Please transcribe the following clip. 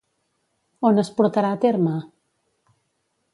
On es portarà a terme?